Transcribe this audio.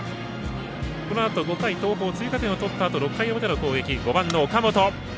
このあと５回、高松商業追加点を取ったあと６回の表の攻撃、５番の岡本。